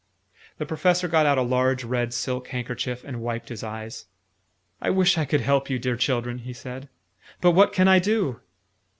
The Professor got out a large red silk handkerchief, and wiped his eyes. "I wish I could help you, dear children!" he said. "But what can I do?"